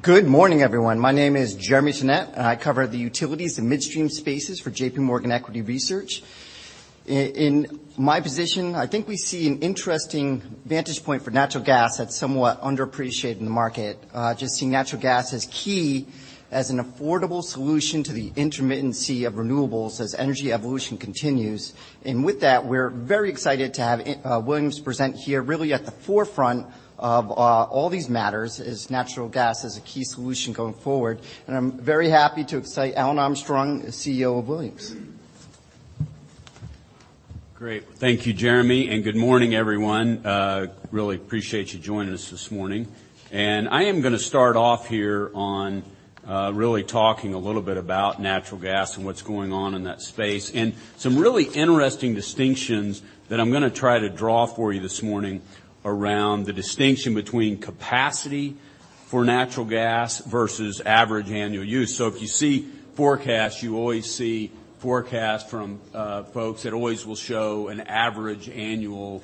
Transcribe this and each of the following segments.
Good morning, everyone. My name is Jeremy Tonet, and I cover the utilities and midstream spaces for J.P. Morgan Equity Research. In my position, I think we see an interesting vantage point for natural gas that's somewhat underappreciated in the market. Just seeing natural gas as key, as an affordable solution to the intermittency of renewables as energy evolution continues. With that, we're very excited to have Williams present here, really at the forefront of all these matters, is natural gas as a key solution going forward. I'm very happy to excite Alan Armstrong, CEO of Williams. Great. Thank you, Jeremy. Good morning, everyone. Really appreciate you joining us this morning. I am gonna start off here on, really talking a little bit about natural gas and what's going on in that space, and some really interesting distinctions that I'm gonna try to draw for you this morning around the distinction between capacity for natural gas versus average annual use. If you see forecasts, you always see forecasts from, folks that always will show an average annual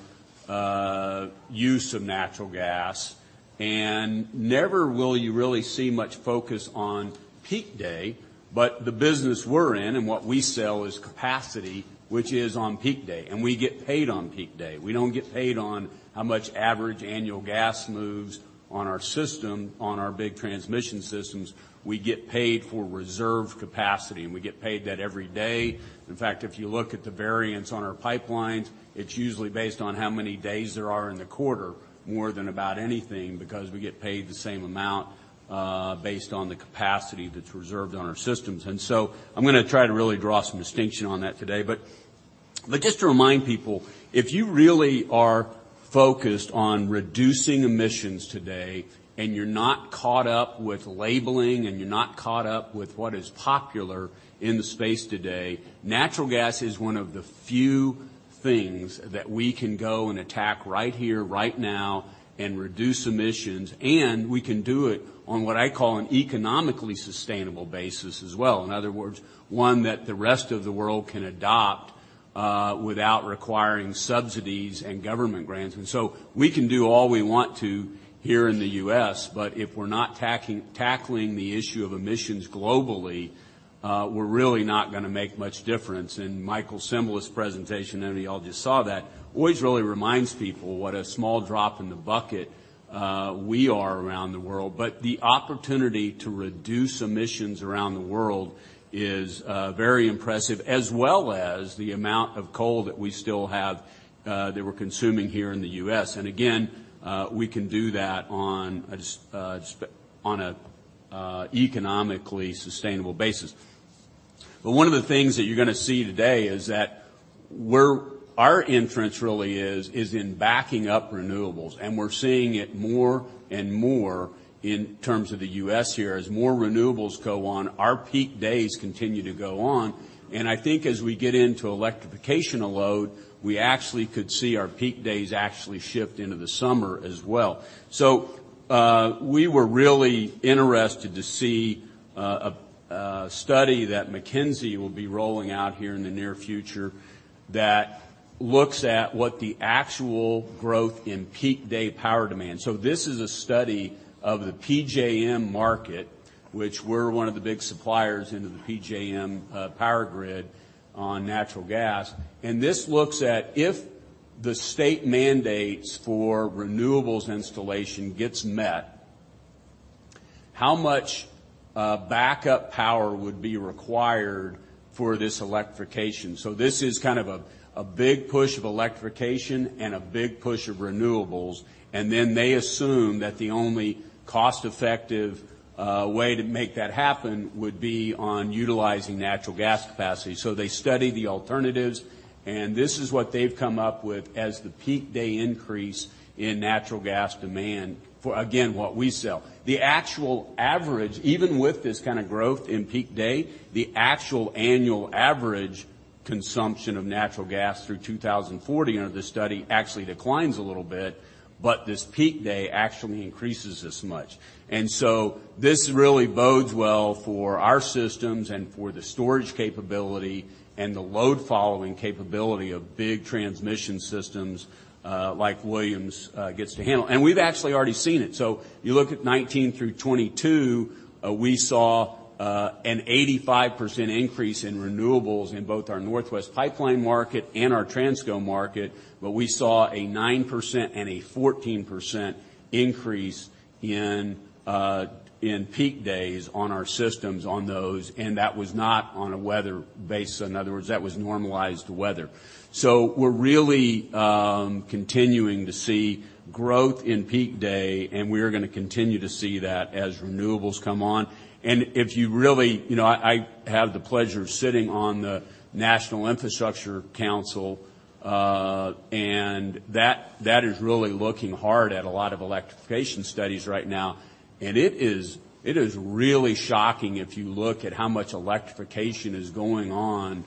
use of natural gas. Never will you really see much focus on peak day, but the business we're in and what we sell is capacity, which is on peak day, and we get paid on peak day. We don't get paid on how much average annual gas moves on our system, on our big transmission systems. We get paid for reserve capacity. We get paid that every day. In fact, if you look at the variance on our pipelines, it's usually based on how many days there are in the quarter, more than about anything, because we get paid the same amount, based on the capacity that's reserved on our systems. I'm gonna try to really draw some distinction on that today. Just to remind people, if you really are focused on reducing emissions today, and you're not caught up with labeling, and you're not caught up with what is popular in the space today, natural gas is one of the few things that we can go and attack right here, right now and reduce emissions, and we can do it on what I call an economically sustainable basis as well. In other words, one that the rest of the world can adopt without requiring subsidies and government grants. We can do all we want to here in the U.S., but if we're not tackling the issue of emissions globally, we're really not gonna make much difference. Michael Cembalest presentation, I know you all just saw that, always really reminds people what a small drop in the bucket we are around the world. The opportunity to reduce emissions around the world is very impressive, as well as the amount of coal that we still have that we're consuming here in the U.S. Again, we can do that on an economically sustainable basis. One of the things that you're gonna see today is that our entrance really is in backing up renewables, and we're seeing it more and more in terms of the U.S. here. As more renewables go on, our peak days continue to go on, I think as we get into electrification load, we actually could see our peak days actually shift into the summer as well. We were really interested to see a study that McKinsey will be rolling out here in the near future that looks at what the actual growth in peak day power demand. This is a study of the PJM market, which we're one of the big suppliers into the PJM power grid on natural gas. This looks at if the state mandates for renewables installation gets met, how much backup power would be required for this electrification? This is kind of a big push of electrification and a big push of renewables, and then they assume that the only cost effective way to make that happen would be on utilizing natural gas capacity. They study the alternatives, and this is what they've come up with as the peak day increase in natural gas demand for, again, what we sell. The actual average, even with this kind of growth in peak day, the actual annual average consumption of natural gas through 2040 under this study actually declines a little bit, but this peak day actually increases this much. This really bodes well for our systems and for the storage capability and the load-following capability of big transmission systems, like Williams, gets to handle. We've actually already seen it. You look at 2019-2022, we saw an 85% increase in renewables in both our Northwest Pipeline market and our Transco market, but we saw a 9% and a 14% increase in peak days on our systems on those, and that was not on a weather basis. In other words, that was normalized weather. We're really continuing to see growth in peak day, and we are gonna continue to see that as renewables come on. If you really, you know, I have the pleasure of sitting on the National Infrastructure Council, that is really looking hard at a lot of electrification studies right now. It is really shocking if you look at how much electrification is going on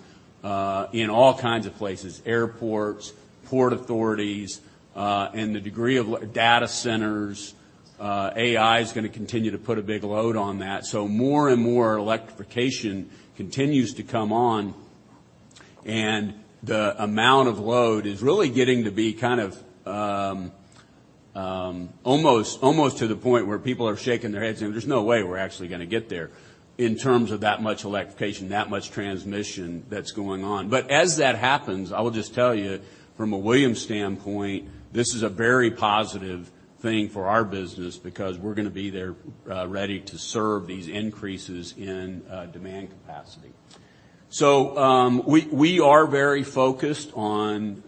in all kinds of places: airports, port authorities, and the degree of data centers. AI is gonna continue to put a big load on that. More and more electrification continues to come on. The amount of load is really getting to be kind of, almost to the point where people are shaking their heads, and there's no way we're actually going to get there in terms of that much electrification, that much transmission that's going on. As that happens, I will just tell you from a Williams standpoint, this is a very positive thing for our business because we're going to be there, ready to serve these increases in demand capacity. We are very focused on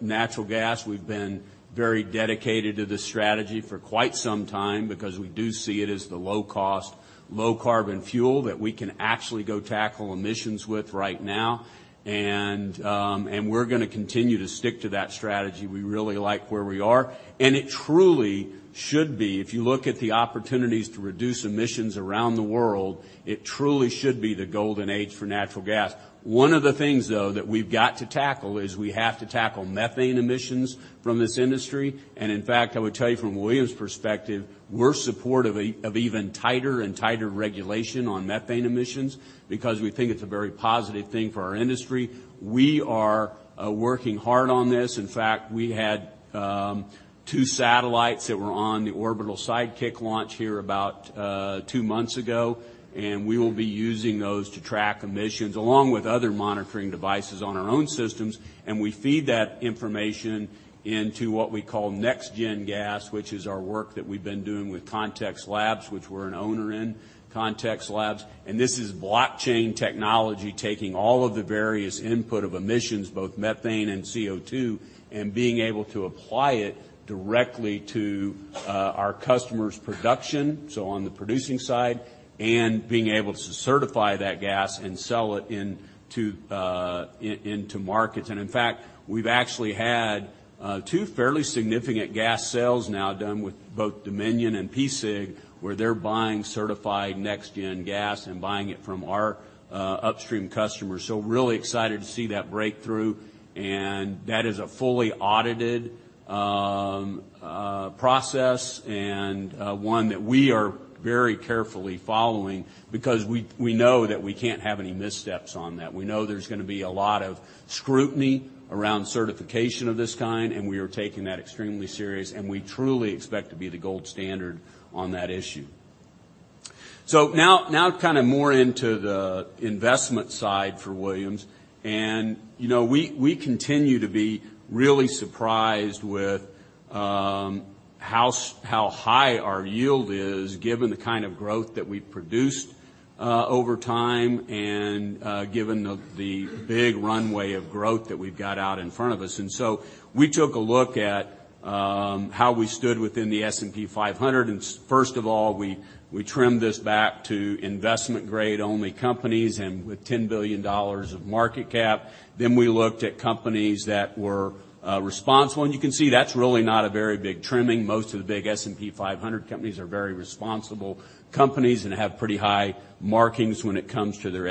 natural gas. We've been very dedicated to this strategy for quite some time because we do see it as the low-cost, low-carbon fuel that we can actually go tackle emissions with right now. We're going to continue to stick to that strategy. We really like where we are, and it truly should be. If you look at the opportunities to reduce emissions around the world, it truly should be the golden age for natural gas. One of the things, though, that we've got to tackle is we have to tackle methane emissions from this industry. In fact, I would tell you from Williams perspective, we're supportive of even tighter and tighter regulation on methane emissions because we think it's a very positive thing for our industry. We are working hard on this. In fact, we had two satellites that were on the Orbital Sidekick launch here about two months ago. We will be using those to track emissions, along with other monitoring devices on our own systems. We feed that information into what we call NextGen Gas, which is our work that we've been doing with Context Labs, which we're an owner in Context Labs. This is blockchain technology, taking all of the various input of emissions, both methane and CO2, and being able to apply it directly to our customers' production, so on the producing side, and being able to certify that gas and sell it into markets. In fact, we've actually had two fairly significant gas sales now done with both Dominion and PSEG, where they're buying certified NextGen Gas and buying it from our upstream customers. We're really excited to see that breakthrough. That is a fully audited process and one that we are very carefully following because we know that we can't have any missteps on that. We know there's going to be a lot of scrutiny around certification of this kind, we are taking that extremely serious, we truly expect to be the gold standard on that issue. Now, now kind of more into the investment side for Williams. You know, we continue to be really surprised with how high our yield is, given the kind of growth that we've produced over time, given the big runway of growth that we've got out in front of us. We took a look at how we stood within the S&P 500. First of all, we trimmed this back to investment-grade-only companies with $10 billion of market cap. We looked at companies that were responsible, you can see that's really not a very big trimming. Most of the big S&P 500 companies are very responsible companies and have pretty high markings when it comes to their,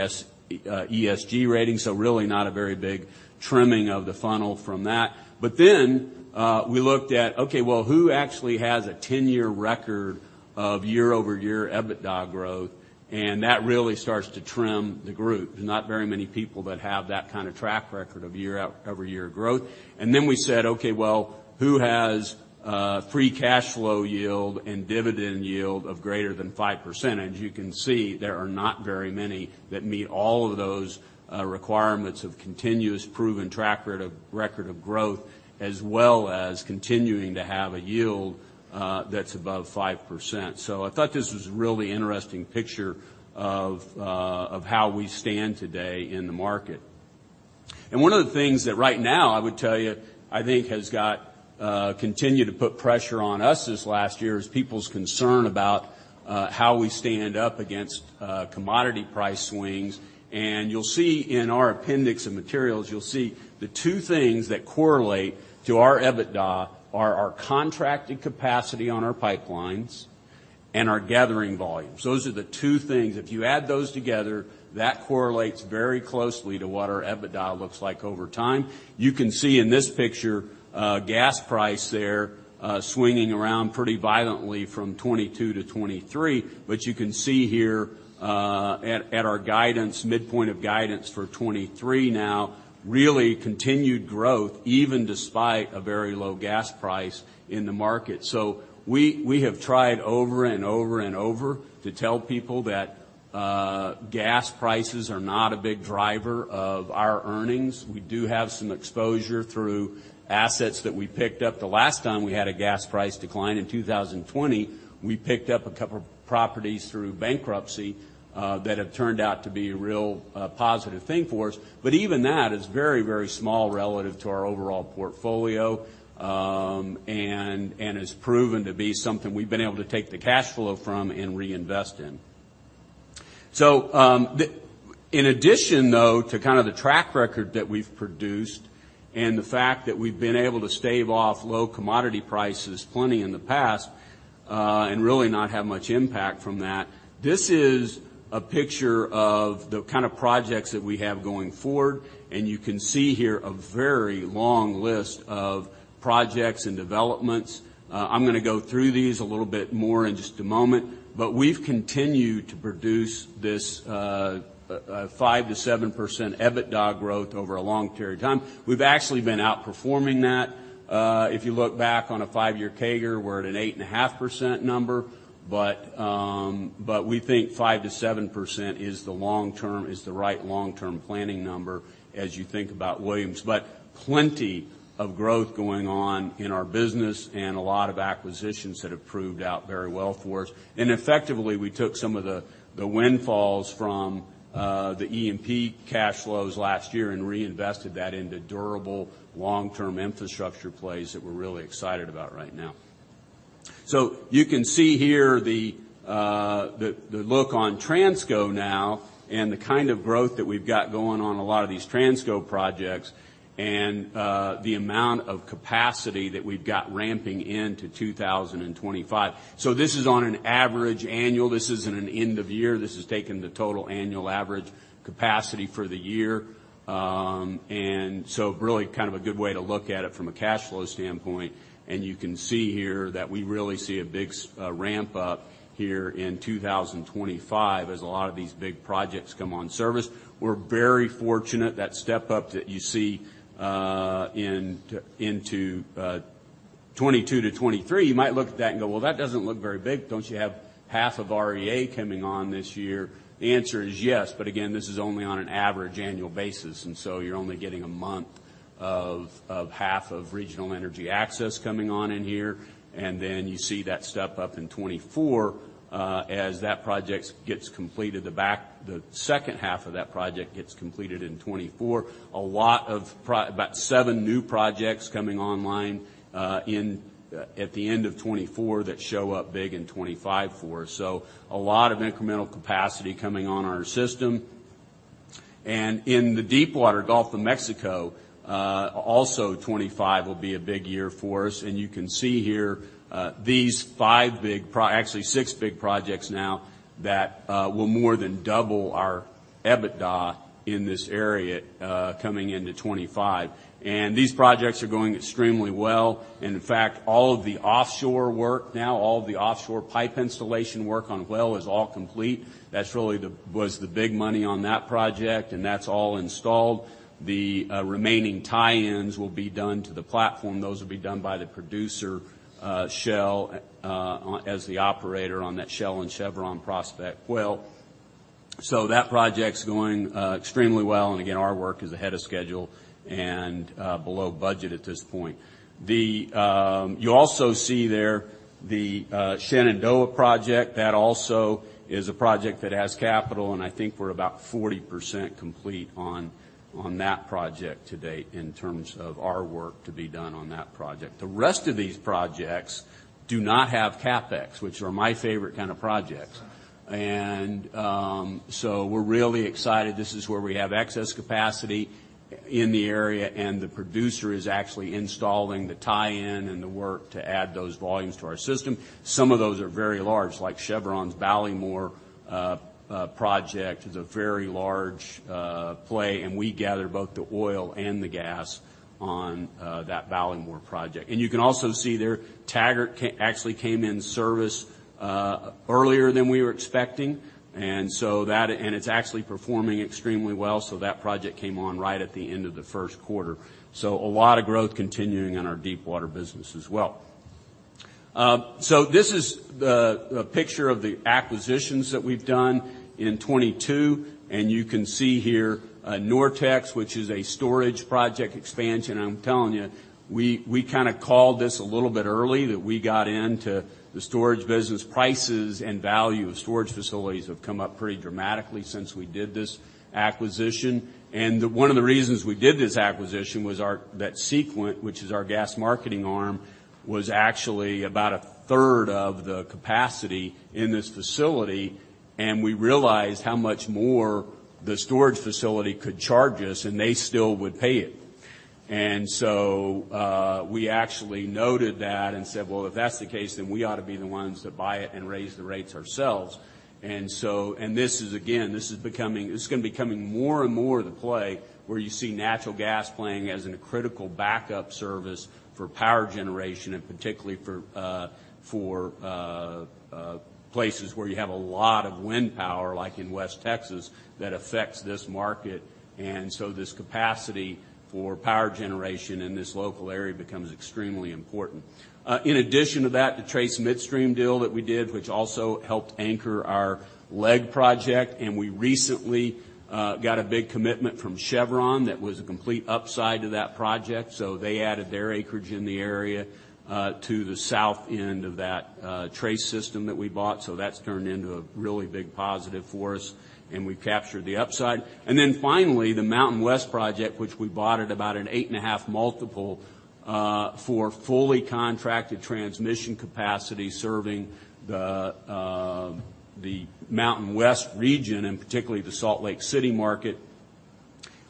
ESG rating. Really not a very big trimming of the funnel from that. We looked at, okay, well, who actually has a 10-year record of year-over-year EBITDA growth? That really starts to trim the group. There's not very many people that have that kind of track record of year-over-year growth. We said, okay, well, who has free cash flow yield and dividend yield of greater than 5%? As you can see, there are not very many that meet all of those requirements of continuous proven track record of growth, as well as continuing to have a yield that's above 5%. I thought this was a really interesting picture of how we stand today in the market. One of the things that right now, I would tell you, I think, has got continued to put pressure on us this last year, is people's concern about how we stand up against commodity price swings. You'll see in our appendix of materials, you'll see the two things that correlate to our EBITDA are our contracted capacity on our pipelines and our gathering volumes. Those are the two things. If you add those together, that correlates very closely to what our EBITDA looks like over time. You can see in this picture, gas price there, swinging around pretty violently from 2022-2023. You can see here, at our guidance, midpoint of guidance for 2023 now, really continued growth, even despite a very low gas price in the market. We have tried over and over and over to tell people that gas prices are not a big driver of our earnings. We do have some exposure through assets that we picked up. The last time we had a gas price decline in 2020, we picked up a couple of properties through bankruptcy that have turned out to be a real positive thing for us. Even that is very small relative to our overall portfolio, and has proven to be something we've been able to take the cash flow from and reinvest in. In addition, though, to kind of the track record that we've produced and the fact that we've been able to stave off low commodity prices plenty in the past, and really not have much impact from that. This is a picture of the kind of projects that we have going forward, and you can see here a very long list of projects and developments. I'm going to go through these a little bit more in just a moment, but we've continued to produce this 5%-7% EBITDA growth over a long period of time. We've actually been outperforming that. If you look back on a five year CAGR, we're at an 8.5% number, but we think 5%-7% is the right long term planning number as you think about Williams. Plenty of growth going on in our business and a lot of acquisitions that have proved out very well for us. Effectively, we took some of the windfalls from the EMP cash flows last year and reinvested that into durable, long-term infrastructure plays that we're really excited about right now. You can see here the look on Transco now and the kind of growth that we've got going on a lot of these Transco projects, and the amount of capacity that we've got ramping into 2025. This is on an average annual. This isn't an end of year. This is taking the total annual average capacity for the year. And really kind of a good way to look at it from a cash flow standpoint. You can see here that we really see a big ramp up here in 2025, as a lot of these big projects come on service. We're very fortunate that step up that you see into, 2022-2023. You might look at that and go: "Well, that doesn't look very big. Don't you have half of REA coming on this year?" The answer is yes, but again, this is only on an average annual basis, and so you're only getting a month of half of Regional Energy Access coming on in here. Then you see that step up in 2024, as that project gets completed, the second half of that project gets completed in 2024. A lot of about seven new projects coming online in at the end of 2024 that show up big in 2025 for us. A lot of incremental capacity coming on our system. In the Deepwater Gulf of Mexico, also 2025 will be a big year for us. You can see here, these five big actually six big projects now that will more than double our EBITDA in this area coming into 2025. These projects are going extremely well. In fact, all of the offshore work now, all of the offshore pipe installation work on well is all complete. That's really was the big money on that project, and that's all installed. The remaining tie-ins will be done to the platform. Those will be done by the producer, Shell, on as the operator on that Shell and Chevron prospect well. That project's going extremely well. Again, our work is ahead of schedule and below budget at this point. You also see there the Shenandoah project. That also is a project that has capital, and I think we're about 40% complete on that project to date in terms of our work to be done on that project. The rest of these projects do not have CapEx, which are my favorite kind of projects. We're really excited. This is where we have excess capacity in the area, and the producer is actually installing the tie-in and the work to add those volumes to our system. Some of those are very large, like Chevron's Ballymore project is a very large play, and we gather both the oil and the gas on that Ballymore project. You can also see there, Taggart actually came in service earlier than we were expecting, and it's actually performing extremely well. That project came on right at the end of the first quarter. A lot of growth continuing in our Deepwater business as well. This is the picture of the acquisitions that we've done in 2022, and you can see here, NorTex, which is a storage project expansion. I'm telling you, we kinda called this a little bit early, that we got into the storage business. Prices and value of storage facilities have come up pretty dramatically since we did this acquisition. One of the reasons we did this acquisition was that Sequent, which is our gas marketing arm, was actually about a third of the capacity in this facility, and we realized how much more the storage facility could charge us, and they still would pay it. So, we actually noted that and said: "Well, if that's the case, then we ought to be the ones to buy it and raise the rates ourselves." So, this is, again, this is gonna be becoming more and more the play, where you see natural gas playing as a critical backup service for power generation, and particularly for places where you have a lot of wind power, like in West Texas, that affects this market. So this capacity for power generation in this local area becomes extremely important. In addition to that, the Trace Midstream deal that we did, which also helped anchor our LEG project, and we recently got a big commitment from Chevron that was a complete upside to that project. They added their acreage in the area to the south end of that Trace system that we bought. That's turned into a really big positive for us, and we captured the upside. Finally, the MountainWest project, which we bought at about an 8.5x for fully contracted transmission capacity, serving the MountainWest region, and particularly the Salt Lake City market.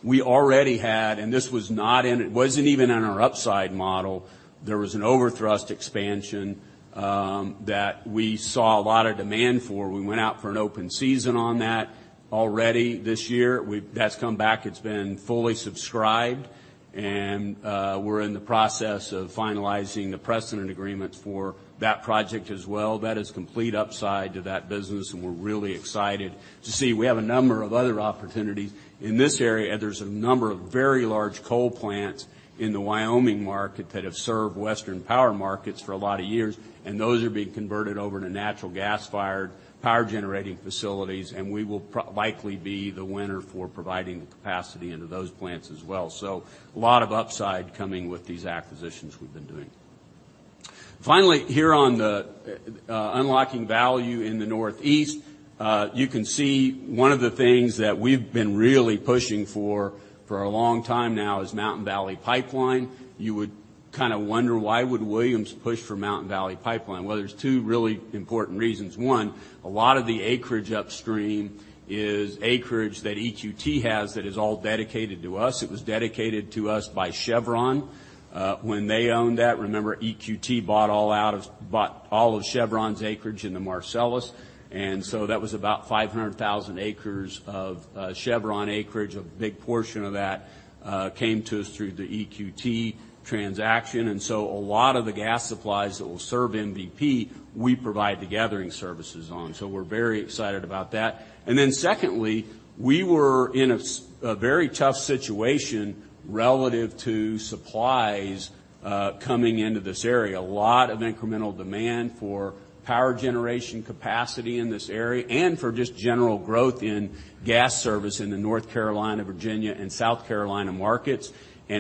We already had, and this was not in, it wasn't even in our upside model. There was an Overthrust expansion that we saw a lot of demand for. We went out for an open season on that already this year. That's come back. It's been fully subscribed, and we're in the process of finalizing the precedent agreements for that project as well. That is complete upside to that business, and we're really excited to see. We have a number of other opportunities. In this area, there's a number of very large coal plants in the Wyoming market that have served western power markets for a lot of years, and those are being converted over to natural gas-fired power generating facilities, and we will likely be the winner for providing the capacity into those plants as well. A lot of upside coming with these acquisitions we've been doing. Finally, here on the unlocking value in the Northeast, you can see one of the things that we've been really pushing for a long time now is Mountain Valley Pipeline. You would kinda wonder, why would Williams push for Mountain Valley Pipeline? There's two really important reasons. One, a lot of the acreage upstream is acreage that EQT has, that is all dedicated to us. It was dedicated to us by Chevron when they owned that. Remember, EQT bought all of Chevron's acreage in the Marcellus, that was about 500,000 acres of Chevron acreage. A big portion of that came to us through the EQT transaction, a lot of the gas supplies that will serve MVP, we provide the gathering services on, we're very excited about that. Secondly, we were in a very tough situation relative to supplies coming into this area. A lot of incremental demand for power generation capacity in this area, and for just general growth in gas service in the North Carolina, Virginia, and South Carolina markets.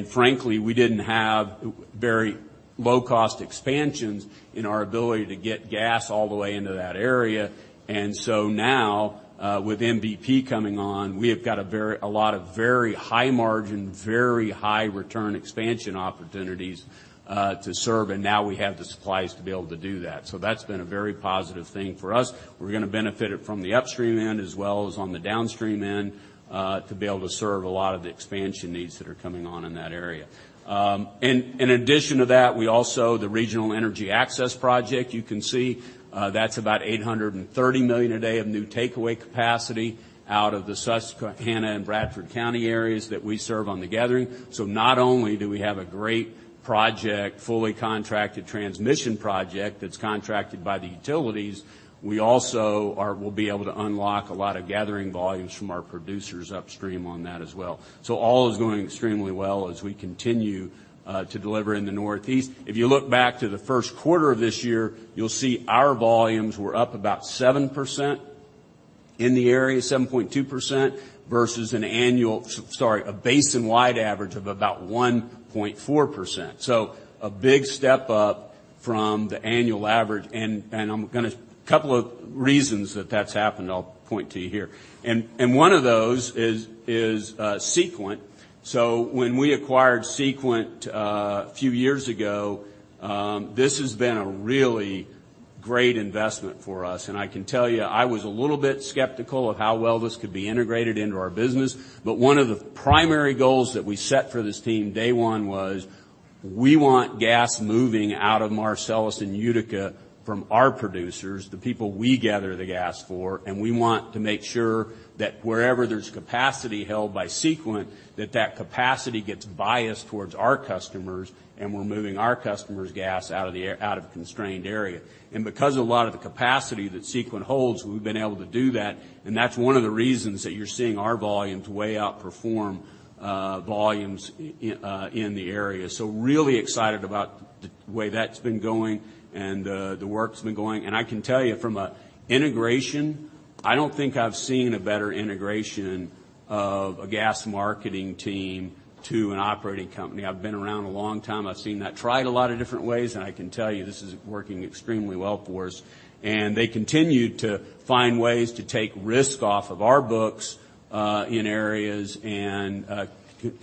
Frankly, we didn't have very low-cost expansions in our ability to get gas all the way into that area. Now, with MVP coming on, we have got a lot of very high margin, very high return expansion opportunities to serve, and now we have the supplies to be able to do that. That's been a very positive thing for us. We're gonna benefit it from the upstream end as well as on the downstream end, to be able to serve a lot of the expansion needs that are coming on in that area. In addition to that, we also, the Regional Energy Access Project, you can see, that's about $830 million a day of new takeaway capacity out of the Susquehanna and Bradford County areas that we serve on the gathering. Not only do we have a great project, fully contracted transmission project that's contracted by the utilities, we also will be able to unlock a lot of gathering volumes from our producers upstream on that as well. All is going extremely well as we continue to deliver in the Northeast. If you look back to the first quarter of this year, you'll see our volumes were up about 7% in the area, 7.2%, versus Sorry, a basin-wide average of about 1.4%. A big step up from the annual average, and I'm gonna couple of reasons that that's happened, I'll point to you here. One of those is Sequent. When we acquired Sequent a few years ago, this has been a really great investment for us, and I can tell you, I was a little bit skeptical of how well this could be integrated into our business. One of the primary goals that we set for this team, day one, was we want gas moving out of Marcellus and Utica from our producers, the people we gather the gas for, and we want to make sure that wherever there's capacity held by Sequent, that that capacity gets biased towards our customers, and we're moving our customers' gas out of a constrained area. Because of a lot of the capacity that Sequent holds, we've been able to do that, and that's one of the reasons that you're seeing our volumes way outperform volumes in the area. Really excited about the way that's been going and the work's been going. I can tell you from a integration, I don't think I've seen a better integration of a gas marketing team to an operating company. I've been around a long time. I've seen that tried a lot of different ways, and I can tell you this is working extremely well for us. They continued to find ways to take risk off of our books in areas and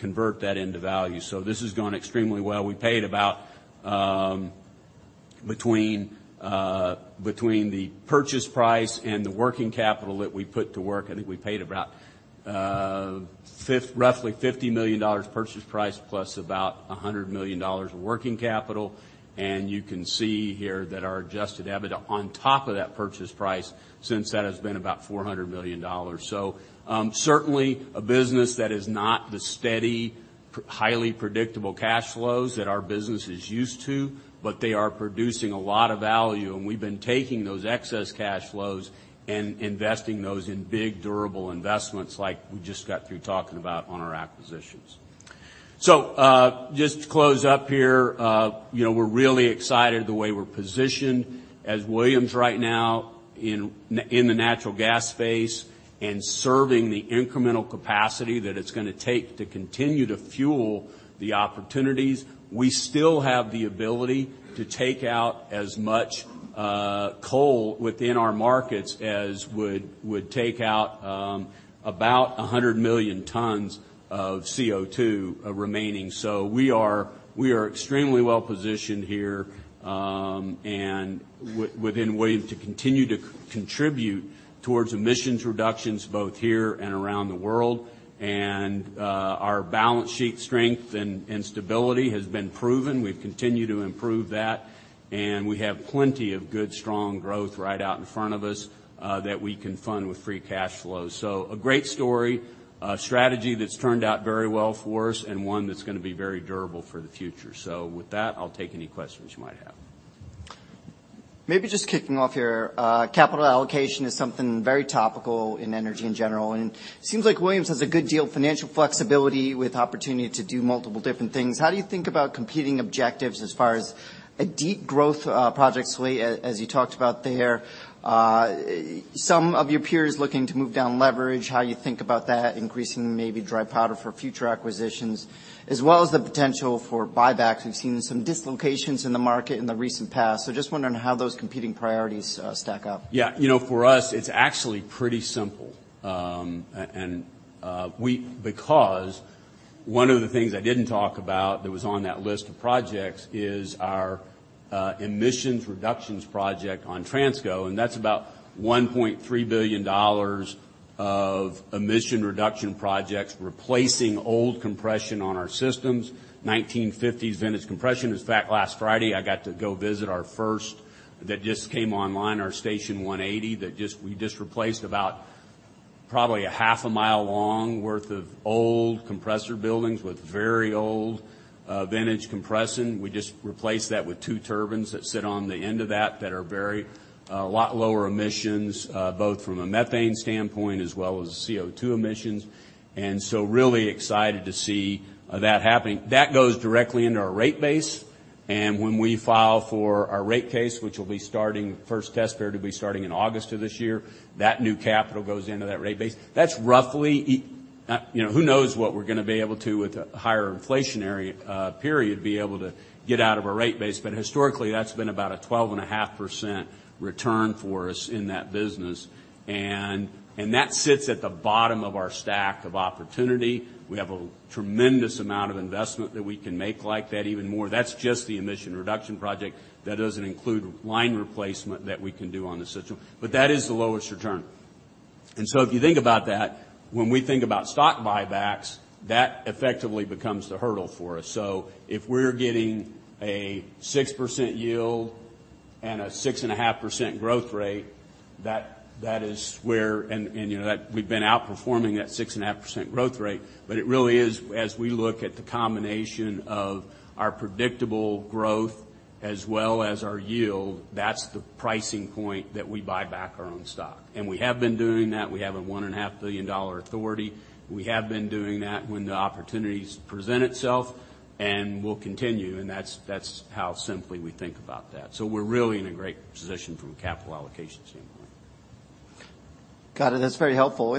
convert that into value. This has gone extremely well. We paid about between the purchase price and the working capital that we put to work, I think we paid about roughly $50 million purchase price, plus about $100 million of working capital. You can see here that our adjusted EBITDA on top of that purchase price, since that has been about $400 million. Certainly a business that is not the steady, highly predictable cash flows that our business is used to, but they are producing a lot of value, and we've been taking those excess cash flows and investing those in big, durable investments, like we just got through talking about on our acquisitions. Just to close up here, you know, we're really excited the way we're positioned as Williams right now in the natural gas space and serving the incremental capacity that it's gonna take to continue to fuel the opportunities. We still have the ability to take out as much coal within our markets as would take out about 100 million tons of CO2 remaining. We are extremely well-positioned here, within Williams, to continue to contribute towards emissions reductions, both here and around the world. Our balance sheet strength and stability has been proven. We've continued to improve that. We have plenty of good, strong growth right out in front of us, that we can fund with free cash flow. A great story, a strategy that's turned out very well for us, and one that's gonna be very durable for the future. With that, I'll take any questions you might have. Maybe just kicking off here, capital allocation is something very topical in energy in general, and it seems like Williams has a good deal of financial flexibility with opportunity to do multiple different things. How do you think about competing objectives as far as a deep growth project slate, as you talked about there? Some of your peers looking to move down leverage, how you think about that, increasing maybe dry powder for future acquisitions, as well as the potential for buybacks? We've seen some dislocations in the market in the recent past, so just wondering how those competing priorities stack up? Yeah, you know, for us, it's actually pretty simple. Because one of the things I didn't talk about that was on that list of projects is our emissions reductions project on Transco, that's about $1.3 billion of emission reduction projects, replacing old compression on our systems, 1950s vintage compression. In fact, last Friday, I got to go visit our first, that just came online, our station 180, we just replaced about probably a half a mile long worth of old compressor buildings with very old vintage compression. We just replaced that with two turbines that sit on the end of that are very, a lot lower emissions, both from a methane standpoint as well as CO2 emissions, really excited to see that happening. That goes directly into our rate base, and when we file for our rate case, which will be starting, first test period will be starting in August of this year, that new capital goes into that rate base. That's roughly, you know, who knows what we're gonna be able to, with a higher inflationary period, be able to get out of a rate base, but historically, that's been about a 12.5% return for us in that business. That sits at the bottom of our stack of opportunity. We have a tremendous amount of investment that we can make like that even more. That's just the emission reduction project. That doesn't include line replacement that we can do on the system, but that is the lowest return. If you think about that, when we think about stock buybacks, that effectively becomes the hurdle for us. If we're getting a 6% yield and a 6.5% growth rate, that is where... You know, that we've been outperforming that 6.5% growth rate, but it really is, as we look at the combination of our predictable growth as well as our yield, that's the pricing point that we buy back our own stock. We have been doing that. We have a $1.5 billion authority. We have been doing that when the opportunities present itself, and we'll continue, and that's how simply we think about that. We're really in a great position from a capital allocation standpoint. Got it. That's very helpful.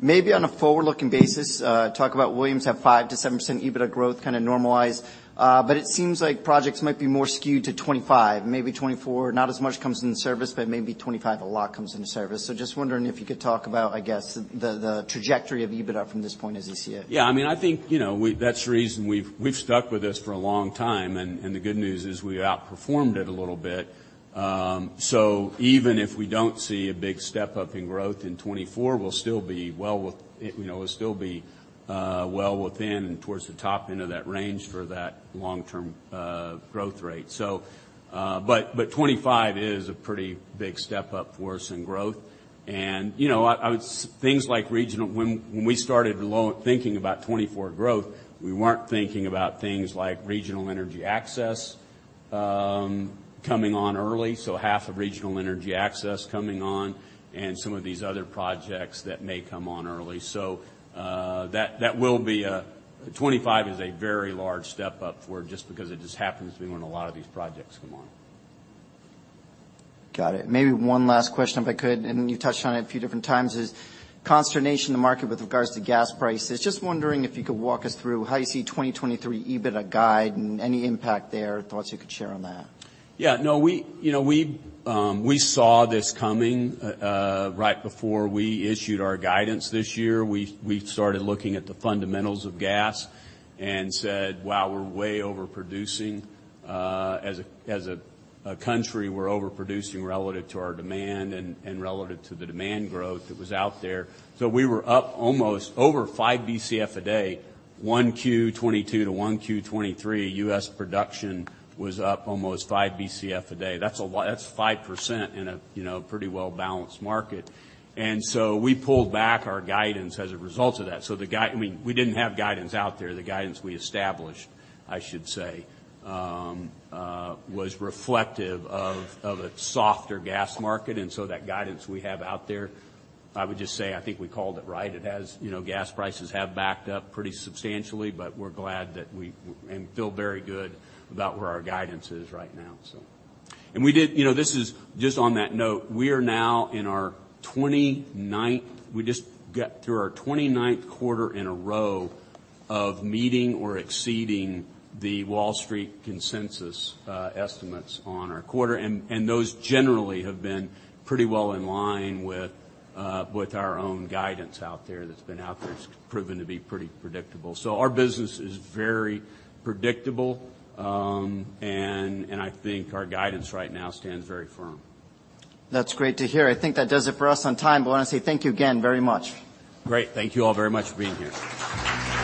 Maybe on a forward-looking basis, talk about Williams have 5%-7% EBITDA growth, kind of normalized, but it seems like projects might be more skewed to 2025, maybe 2024. Not as much comes into service, but maybe 2025, a lot comes into service. Just wondering if you could talk about, I guess, the trajectory of EBITDA from this point as you see it. Yeah, I mean, I think, you know, that's the reason we've stuck with this for a long time, and the good news is we outperformed it a little bit. Even if we don't see a big step-up in growth in 2024, we'll still be well with, you know, we'll still be well within towards the top end of that range for that long-term growth rate. But 2025 is a pretty big step up for us in growth. You know, when we started thinking about 2024 growth, we weren't thinking about things like Regional Energy Access coming on early, so half of Regional Energy Access coming on and some of these other projects that may come on early. That will be 2025 is a very large step up for just because it just happens to be when a lot of these projects come on. Got it. Maybe one last question, if I could, and you touched on it a few different times, is consternation in the market with regards to gas prices. Just wondering if you could walk us through how you see 2023 EBITDA guide and any impact there, thoughts you could share on that? Yeah. No, we, you know, we saw this coming, right before we issued our guidance this year. We started looking at the fundamentals of gas and said, "Wow, we're way overproducing, as a country, we're overproducing relative to our demand and relative to the demand growth that was out there." We were up almost over five BCF a day. 1Q-2022-1Q-2023, U.S. production was up almost five BCF a day. That's a lot, that's 5% in a, you know, pretty well-balanced market. We pulled back our guidance as a result of that. I mean, we didn't have guidance out there. The guidance we established, I should say, was reflective of a softer gas market. That guidance we have out there, I would just say, I think we called it right. It has, you know, gas prices have backed up pretty substantially, but we're glad that we feel very good about where our guidance is right now. We did, you know, this is just on that note, we are now in our 29th quarter in a row of meeting or exceeding the Wall Street consensus estimates on our quarter, and those generally have been pretty well in line with our own guidance out there, that's been out there. It's proven to be pretty predictable. Our business is very predictable, and I think our guidance right now stands very firm. That's great to hear. I think that does it for us on time. I want to say thank you again very much. Great. Thank you all very much for being here.